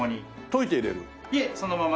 いえそのまま。